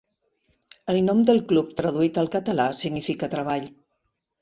El nom del club, traduït al català significa treball.